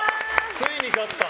ついに勝った！